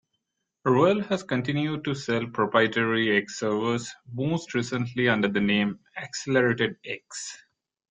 Roell has continued to sell proprietary X servers, most recently under the name "Accelerated-X".